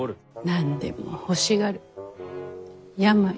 何でも欲しがる病。